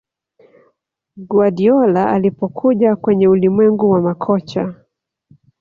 Guardiola alipokuja kwenye ulimwengu wa makocha